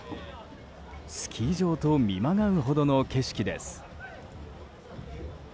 スキー場と見まがうほどの景色です。